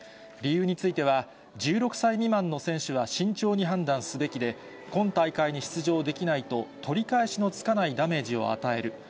理由については、１６歳未満の選手は慎重に判断すべきで、今大会に出場できないと、取り返しのつかないダメージを与える。